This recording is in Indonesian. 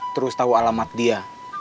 terus tau alamat dia